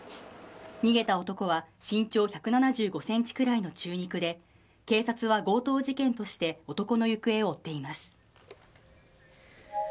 逃げた男は身長１７５ｃｍくらいの中肉で警察は強盗事件として男の行方を追っています。